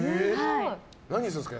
何するんですか？